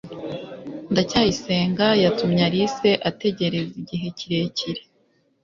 ndacyayisenga yatumye alice ategereza igihe kirekire